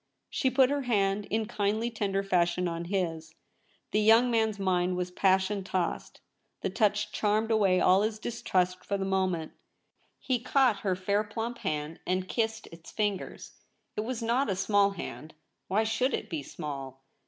She put her hand in kindly, tender fashion on his. The young man's mind was passion tossed ; the touch charmed away all his dis trust — for the moment. He caught her fair plump hand and kissed its fingers. It was not a small hand — why should it be small